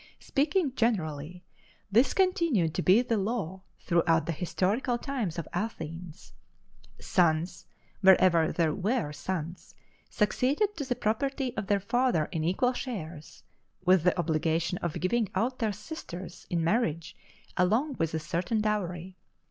Speaking generally, this continued to be the law throughout the historical times of Athens. Sons, wherever there were sons, succeeded to the property of their father in equal shares, with the obligation of giving out their sisters in marriage along with a certain dowry.